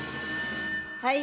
はい。